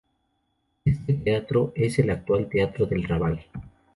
Este teatro es el actual Teatro del Raval.